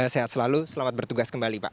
sehat selalu selamat bertugas kembali pak